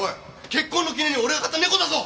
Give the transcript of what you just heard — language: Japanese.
結婚の記念に俺が買った猫だぞ！